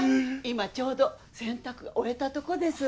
今ちょうど洗濯終えたとこです。